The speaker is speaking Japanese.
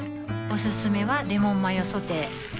おすすめはレモンマヨソテー